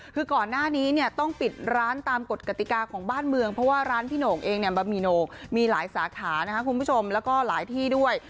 คือก่อนหน้านี้เนี่ยต้องปิดร้านตามกฎกติกาของบ้านเมืองเพราะว่าร้านพี่โหน่งเองเนี่ยบะหมี่โหนกมีหลายสาขานะคะคุณผู้ชมแล้วก็หลายที่ด้วย